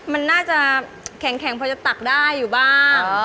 มันน่าจะแข็งพอจะตักได้อยู่บ้าง